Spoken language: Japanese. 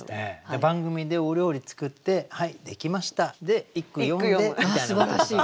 番組でお料理作って「はい出来ました」で一句詠んでみたいな。